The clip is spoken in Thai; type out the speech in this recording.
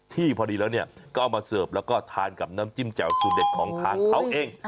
ที่พอดีแล้วก็เอามาเสิร์ฟแล้วก็ทานกับน้ำจิ้มแจ่วสูตรเด็ดของทางเขาเอง